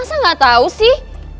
apa janjan kasih tau dia